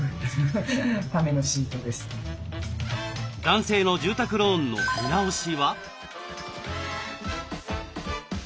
男性の住宅ローンの見直しは？